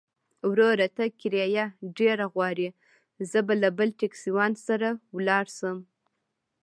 وروره! ته کرايه ډېره غواړې، زه به له بل ټکسيوان سره ولاړ شم.